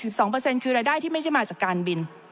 คือรายได้ที่ไม่ใช่มาจากการบิน